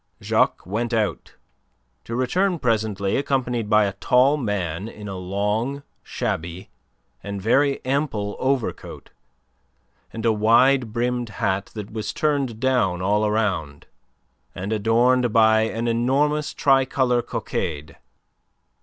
Jacques went out, to return presently accompanied by a tall man in a long, shabby, and very ample overcoat and a wide brimmed hat that was turned down all round, and adorned by an enormous tricolour cockade.